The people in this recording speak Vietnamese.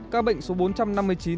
các bệnh số bốn trăm năm mươi chín